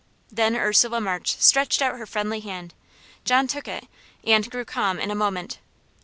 Then Ursula March stretched out her friendly hand. John took it, and grew calm in a moment.